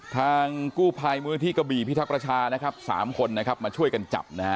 ทางกู้ภัยมือธิกบี่พิทักษ์รัชาสามคนมาช่วยกันจับ